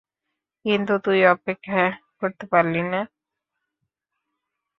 কিন্তু তুই অপেক্ষা করতে পারলি না।